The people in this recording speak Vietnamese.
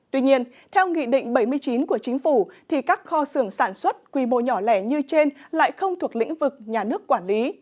tuy nhiên theo nghị định bảy mươi chín của chính phủ thì các kho xưởng sản xuất quy mô nhỏ lẻ như trên lại không thuộc lĩnh vực nhà nước quản lý